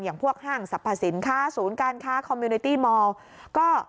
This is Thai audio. อย่างพวกห้างสรรพสินค้าศูนย์การค้าคอมมิวนิตี้มอลก็